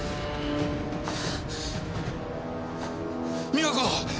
美和子！